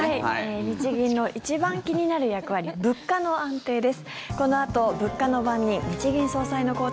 日銀の一番気になる役割物価の安定です。